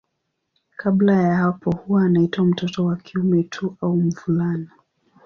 Kabla ya hapo huwa anaitwa mtoto wa kiume tu au mvulana.